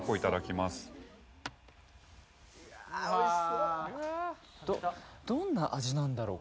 ・うわ・どんな味なんだろう